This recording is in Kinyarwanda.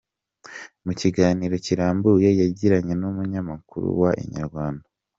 Mu kiganiro kirambuye yagiranye n’umunyamakuru wa Inyarwanda.